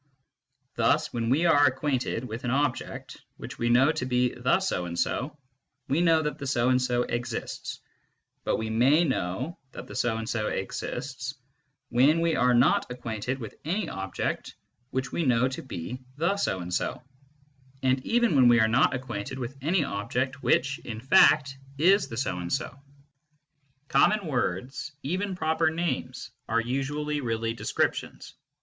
Thus, when we are acquainted with an object which we know to be the so and so, we know that the so and so exists) but we_may know that the so and so exists when we are not acquainted with any object which we know to be the so and so, and even when we are not acquainted with any object which, in tact, is the so and so. ai6 MYSTICISM AND LOGIC Common words, even proper names, a re_usuall^_realiy descriptions.